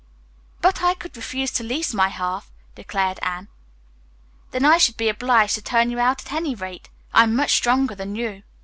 "But I could refuse to lease my half," declared Anne. "Then I should be obliged to turn you out, at any rate. I am much stronger than you."